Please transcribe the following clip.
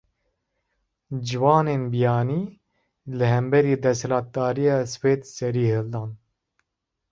Ciwanên biyanî, li hemberî desthilatdariya Swêd serî hildan